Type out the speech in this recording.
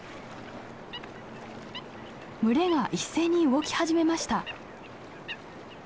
群れが一斉に動き始めました。